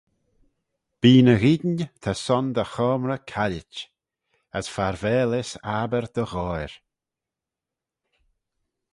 Bee ny eayin ta son dty choamrey caillit, as farvaalys aber dty ghoair.